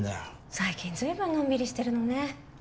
最近ずいぶんのんびりしてるのね